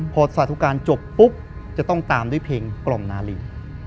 พอสาธุการณ์จบปุ๊บจะต้องตามด้วยเพลงกล่อมนาลี